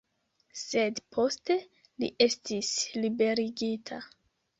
Sed poste li estis liberigita.